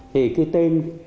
thì cái tên